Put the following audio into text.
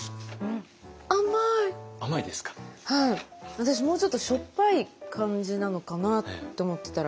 私もうちょっとしょっぱい感じなのかなって思ってたら。